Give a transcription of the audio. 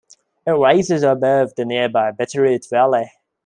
It rises over above the nearby Bitterroot Valley.